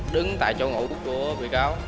đứng tại chỗ ngủ của vị cáo